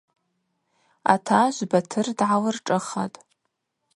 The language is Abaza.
Атажв Батыр дгӏалыршӏыхатӏ.